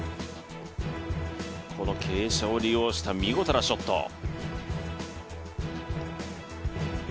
この傾斜を利用した見事なショット。